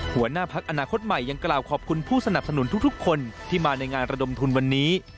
หัวหน้าพักอนาคตใหม่ยังกล่าวขอบคุณผู้สนับสนุนทุกคนที่มาในงานระดมทุนวันนี้